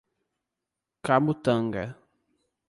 Camutanga